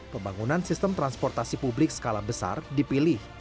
pembangunan sistem transportasi publik skala besar dipilih